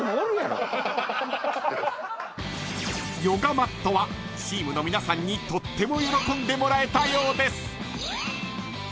［ヨガマットはチームの皆さんにとっても喜んでもらえたようです］